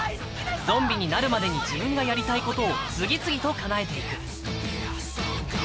ゾンビになるまでに自分がやりたいことを次々とかなえていく。